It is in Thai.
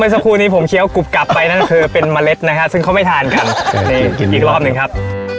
สักครู่นี้ผมเคี้ยวกรุบกลับไปนั่นก็คือเป็นเมล็ดนะฮะซึ่งเขาไม่ทานกันนี่กินอีกรอบหนึ่งครับ